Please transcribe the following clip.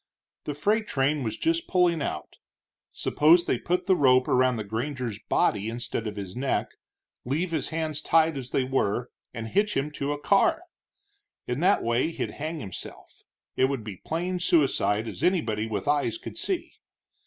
The freight train was just pulling out; suppose they put the rope around the granger's body instead of his neck, leave his hands tied as they were, and hitch him to a car! In that way he'd hang himself. It would be plain suicide, as anybody with eyes could see.